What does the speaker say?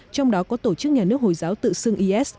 trong đó có tổ chức nhà nước hồi giáo tự xưng is